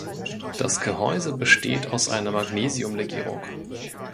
Das Gehäuse besteht aus einer Magnesium-Legierung.